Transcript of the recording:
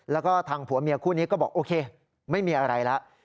แล้วก็ทางผัวเมียคู่นี้ก็บอกโอเคไม่มีอะไรแล้ว